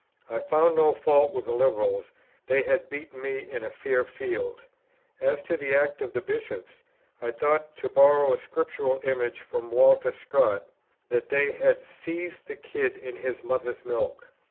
I found no fault with the Liberals; they had beaten me in a fair field. As to the act of the Bishops, I thought, to borrow a Scriptural image from Walter Scott, that they had "seethed the kid in his mother's milk."